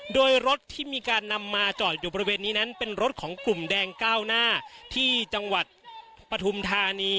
โดยรถที่มีการนำมาจอดอยู่บริเวณนี้นั้นเป็นรถของกลุ่มแดงก้าวหน้าที่จังหวัดปฐุมธานี